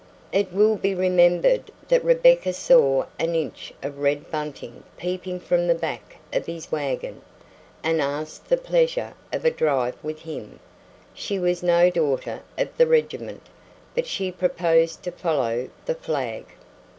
It will be remembered that Rebecca saw an inch of red bunting peeping from the back of his wagon, and asked the pleasure of a drive with him. She was no daughter of the regiment, but she proposed to follow the flag.